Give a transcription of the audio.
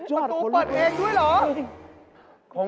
ประตูเปิดเองด้วยเหรอจริง